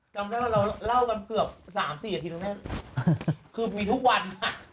กำลังเราเรากันเกือบ๓๔สิทธินตรงเนี่ยมีทุกวันค่ะ